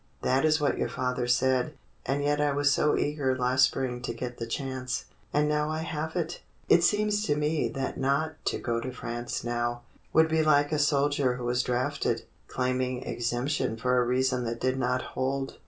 "That is what your father said. And yet I was so eager last spring to get the chance, and now I have it. It seems to me that not to go to France now would 132 THE BLUE AUNT be like a soldier who was drafted claiming exemption for a reason that did not hold.